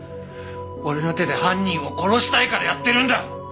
俺の手で犯人を殺したいからやってるんだ！